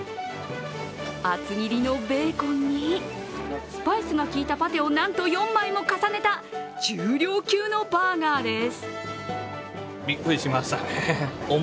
厚切りのベーコンに、スパイスが効いたパテをなんと４枚も重ねた重量級のバーガーです。